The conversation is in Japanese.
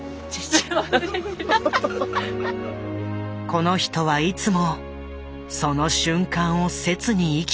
この人はいつもその瞬間を切に生きていた。